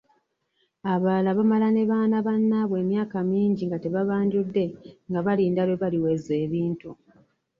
Abalala bamala ne baana bannaabwe emyaka mingi nga tebabanjudde nga balinda lwe baliweza ebintu.